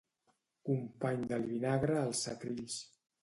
Company del vinagre als setrills.